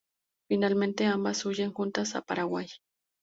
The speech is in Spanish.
Finalmente ambas huyen juntas a Paraguay.